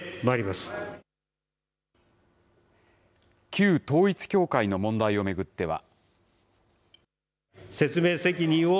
旧統一教会の問題を巡っては。